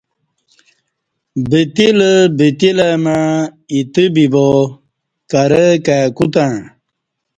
بتیلہ بتیلہ مع ایتہ بیبا کرہ کئے کوتݩع